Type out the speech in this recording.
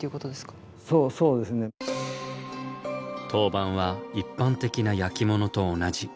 陶板は一般的な焼き物と同じ。